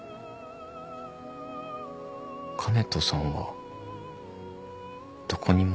香音人さんはどこにもいません。